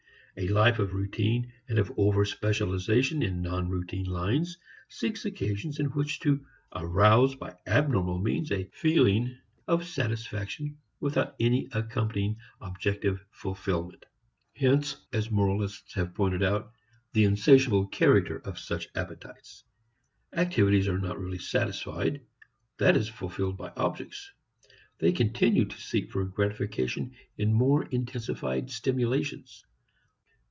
A life of routine and of over specialization in non routine lines seek occasions in which to arouse by abnormal means a feeling of satisfaction without any accompanying objective fulfilment. Hence, as moralists have pointed out, the insatiable character of such appetites. Activities are not really satisfied, that is fulfilled in objects. They continue to seek for gratification in more intensified stimulations.